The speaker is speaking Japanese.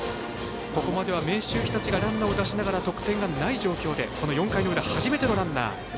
ここまでは明秀日立がランナーを出しながら得点がない状況で、この４回の裏初めてのランナー。